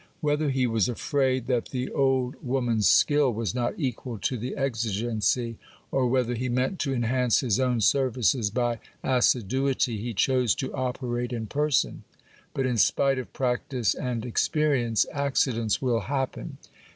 Whether he was afraid that the old woman's skill was not equal to the exigency, or whether he meant to enhance his own services by assiduity, he chose to operate in per son ; but in spite of practice and experience, accidents will happen.